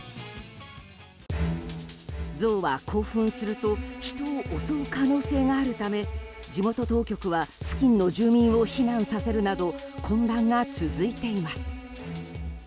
ゾウは興奮すると人を襲う可能性があるため地元当局は付近の住民を避難させるなど混乱が続いています。